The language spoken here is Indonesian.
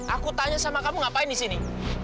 aku tanya sama kamu ngapain di sini